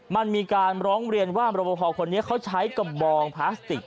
มันมีการร้องเรียนว่ารบพอคนนี้เขาใช้กระบองพลาสติก